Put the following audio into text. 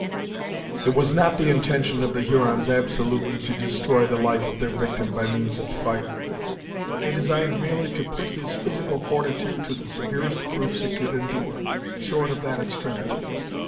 It was not the intention of the Hurons absolutely to destroy the life of their victim by means of fire. They designed merely to put his physical fortitude to the severest proofs it could endure, short of that extremity.